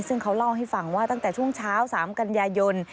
ซึ่งเขาเล่าให้ฟังว่าตั้งแต่ช่วงเช้า๓กันยายน